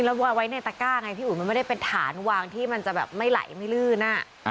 แล้วเอาไว้ในตะก้าไงพี่อุ๋ยมันไม่ได้เป็นฐานวางที่มันจะแบบไม่ไหลไม่ลื่น